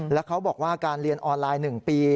แล้วเขาบอกว่าการเรียนออนไลน์๑ปี